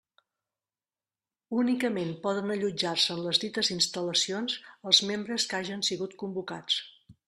Únicament poden allotjar-se en les dites instal·lacions els membres que hagen sigut convocats.